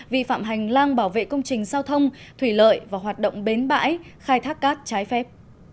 vi phạm hành lang bảo vệ công trình giao thông thủy lợi và hoạt động bến bãi khai thác cát trái phép